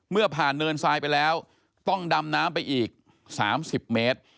เมื่อผ่านเนินทรายไปแล้วต้องดำน้ำไปอีก๓๐เมตร